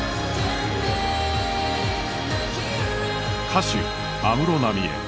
歌手安室奈美恵